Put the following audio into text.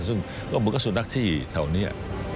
ซึ่งมันก็สุนัขที่แถวนี้